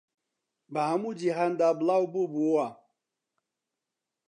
بە هەموو جیهاندا بڵاو بووبووەوە